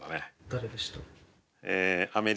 誰でした？